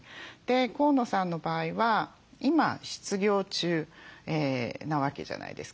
河野さんの場合は今失業中なわけじゃないですか。